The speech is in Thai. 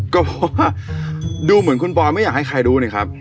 ก็เพราะว่าดูเหมือนคุณปอยไม่อยากให้ใครรู้นี่ครับ